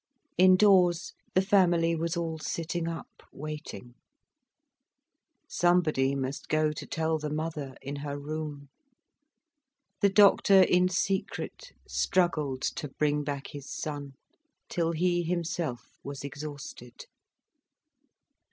Indoors the family was all sitting up, waiting. Somebody must go to tell the mother, in her room. The doctor in secret struggled to bring back his son, till he himself was exhausted.